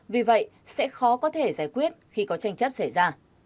vì vậy sẽ khó có thể giải quyết khi có tranh chấp xảy ra